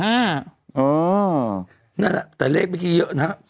นั่นแหละแต่เลขเมื่อกี้เยอะนะฮะ